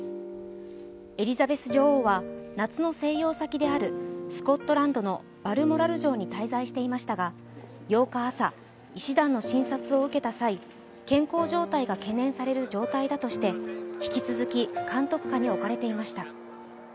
エリザベス女王は夏の静養先であるスコットランドのバルモラル城に滞在していましたが、８日朝、医師団の診察を受けた際、健康状態が懸念される状態だとして引き続き監督下に置かれていました。